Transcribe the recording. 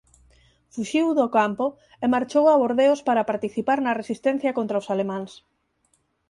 Fuxiu do campo e marchou a Bordeos para participar na resistencia contra os alemáns.